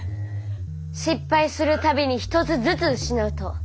失敗するたびにひとつずつ失うと。